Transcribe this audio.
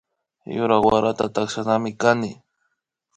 Yura warata takshanami kani